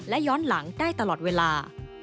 และย้อนหลังได้ตลอดเวลา